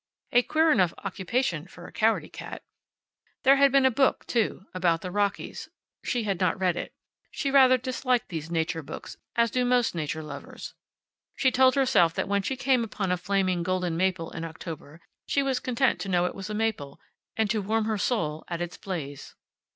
A queer enough occupation for a cowardy cat. There had been a book, too. About the Rockies. She had not read it. She rather disliked these nature books, as do most nature lovers. She told herself that when she came upon a flaming golden maple in October she was content to know it was a maple, and to warm her soul at its blaze.